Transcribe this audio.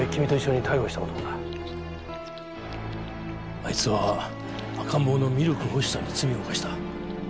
あいつは赤ん坊のミルク欲しさに罪を犯した。